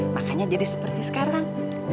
makanya jadi seperti sekarang